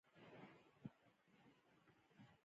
ځکه چې ګند د کور نه بهر نۀ دے وتے -